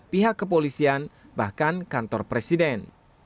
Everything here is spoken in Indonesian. pihak kepolisian bahkan kantor presiden